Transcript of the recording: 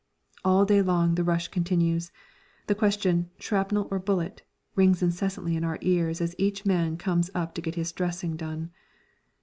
All day long the rush continues. The question "Shrapnel or bullet?" rings incessantly in our ears as each man comes up to get his dressing done.